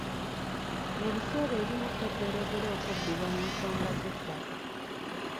Ebiseera ebimu ffe twereetera okubbibwa mu nsonga z'ettaka.